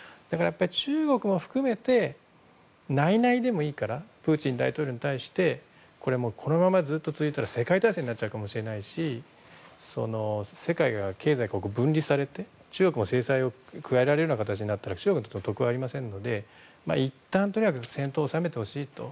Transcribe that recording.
中国も含めて、内々でもいいからプーチン大統領に対してこれはこのままずっと続いたら世界大戦になってしまうかもしれないし世界経済が分離されて中国に制裁を加えるような形になったら中国も得はありませんのでいったん戦闘を収めてほしいと。